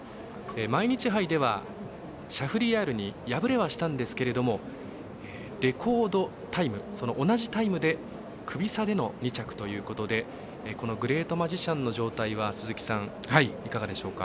毎日杯では、シャフリヤールに敗れはしたんですけれどもそのレコードタイム同じタイムで、クビ差での２着ということでこのグレートマジシャンの状態は鈴木さん、いかがでしょうか？